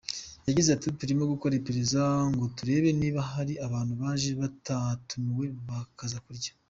Yagize ati “Turimo gukora iperereza ngo turebe niba hari abantu baje batatumiwe bakaza kurya.